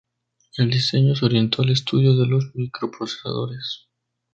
El diseño se orientó al estudio de los microprocesadores.